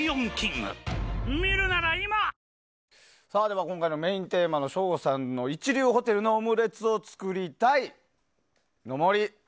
では今回のメインテーマの省吾さん、一流ホテルのオムレツを作りたいの森。